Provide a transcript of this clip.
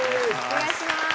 お願いします。